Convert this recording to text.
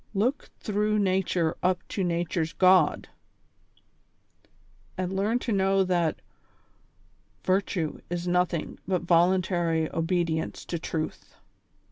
" Look through nature up to nature's God," and learn to know that " Virtue is nothing but voluntary obedience to truth."